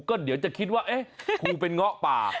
ครูก็เดี๋ยวจะคิดว่าครูเป็นงะป่า